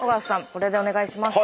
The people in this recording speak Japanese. これでお願いします。